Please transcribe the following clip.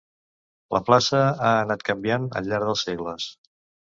La plaça ha anat canviant al llarg dels segles.